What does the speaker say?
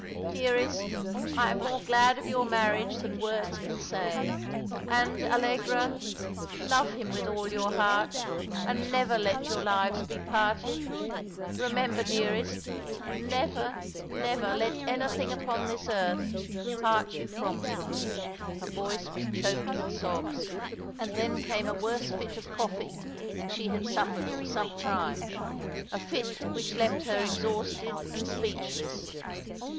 *' Dearest, I am more glad of your marriage than words can say ; and, Allegra, lovo him with all your heart, and never let your lives be parted^ remember, dearest, never, never let anything upon this earth part you from him." Her voice was choked with sobs, and then came a worse fit of coughing than she had suffered for some time; a fit which left her exhausted and speechless.